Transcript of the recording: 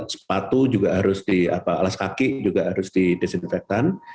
sepatu juga harus di alas kaki juga harus didesinfektan